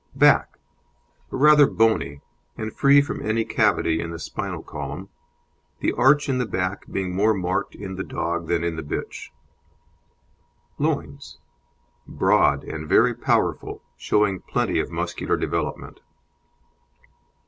BACK Rather bony, and free from any cavity in the spinal column, the arch in the back being more marked in the dog than in the bitch. LOINS Broad and very powerful, showing plenty of muscular development.